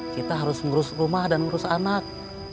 kita harus ngurus rumah dan ngurus anak